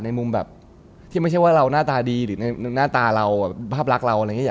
มุมแบบที่ไม่ใช่ว่าเราหน้าตาดีหรือในหน้าตาเราภาพรักเราอะไรอย่างนี้